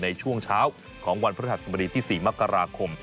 ในช่วงเช้าของวันพระธรรมดีที่๔มกราคม